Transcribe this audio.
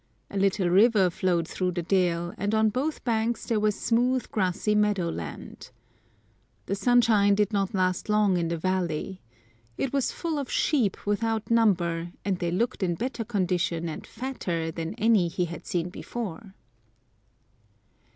A little river flowed through the dale, and on both banks there was smooth grassy meadow land. The sunshine did not last long in the valley. It was full of sheep without number, and they looked in better condition and fatter than any he had seen before.